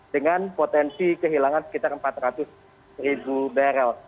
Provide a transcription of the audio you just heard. dengan potensi kehilangan sekitar empat ratus ribu barrel